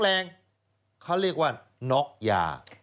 แรงเขาเรียกว่าน็อกยา